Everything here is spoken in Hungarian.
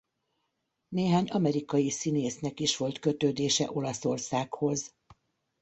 Néhány amerikai színésznek is volt kötődése Olaszországhoz.